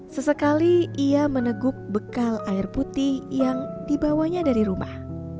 sesekali ia meneguk bekal air putih yang dibawanya dari rumah